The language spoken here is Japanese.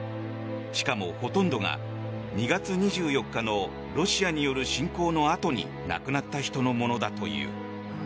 しかも、ほとんどが２月２４日のロシアによる侵攻のあとに亡くなった人のものだという。